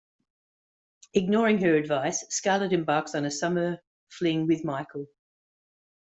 Ignoring her advice, Scarlett embarks on a summer fling with Michael.